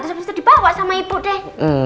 terus habis itu dibawa sama ibu deh